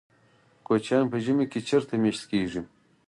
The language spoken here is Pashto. کوچیان په ژمي کې چیرته میشت کیږي؟